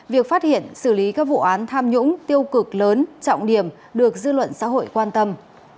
việc phát hiện xử lý các vụ án tham nhũng tiêu cực lớn trọng điểm được dư luận xã hội quan tâm